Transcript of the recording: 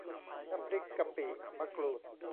น้ำพริกกะปิมะกรูด